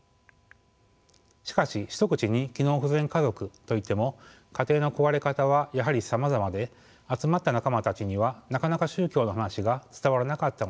しかし一口に機能不全家族と言っても家庭の壊れ方はやはりさまざまで集まった仲間たちにはなかなか宗教の話が伝わらなかったのです。